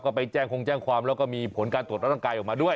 ก็ไปแจ้งคงแจ้งความแล้วก็มีผลการตรวจร่างกายออกมาด้วย